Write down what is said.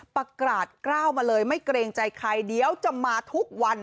ประกาศกล้าวมาเลยไม่เกรงใจใครเดี๋ยวจะมาทุกวัน